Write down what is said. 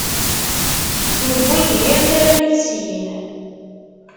Newwi-d yir tarmit syin.